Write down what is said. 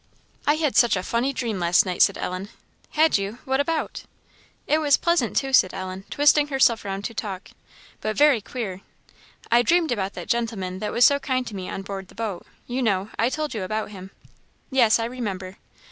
"I had such a funny dream last night," said Ellen. "Had you? what about?" "It was pleasant, too," said Ellen, twisting herself round to talk "but very queer. I dreamed about that gentleman that was so kind to me on board the boat you know? I told you about him?" "Yes, I remember."